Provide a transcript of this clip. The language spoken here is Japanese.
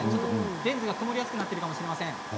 レンズが曇りやすくなっているかもしれません。